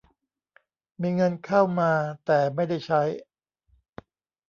มีเงินเข้ามาแต่ไม่ได้ใช้